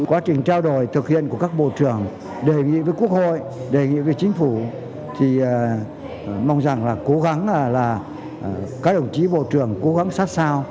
quá trình trao đổi thực hiện của các bộ trưởng đề nghị với quốc hội đề nghị với chính phủ thì mong rằng là cố gắng là các đồng chí bộ trưởng cố gắng sát sao